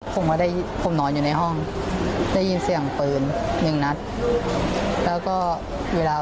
ก็ประเด็นในการช่วยหาเสี่ยงหรือวาที่พุทธสมัครหรือเปล่า